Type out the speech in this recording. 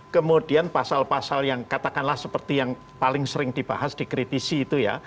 kemudian pasal pasal yang katakanlah seperti yang paling sering dibahas dikritisi itu ya